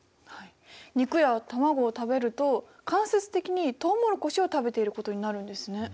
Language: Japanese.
肉や卵を食べると間接的にとうもろこしを食べてることになるんですね。